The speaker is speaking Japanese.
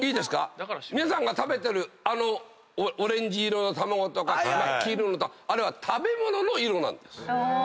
皆さんが食べてるあのオレンジ色の卵とか黄色いのとあれは食べ物の色なんです。